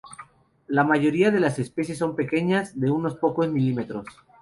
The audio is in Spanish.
La mayoría de las especies son pequeñas, de unos pocos milímetros.